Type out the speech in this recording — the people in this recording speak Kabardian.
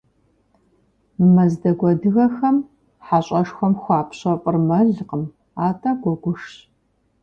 Мэздэгу адыгэхэм хьэщӏэшхуэм хуапщэфӏыр мэлкъым, атӏэ гуэгушщ.